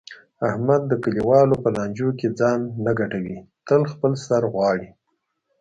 احمد د کلیوالو په لانجو کې ځان نه ګډوي تل د خپل سر غواړي.